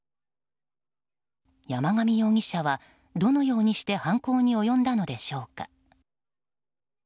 山上容疑者は、どのようにして犯行に及んだのでしょうか。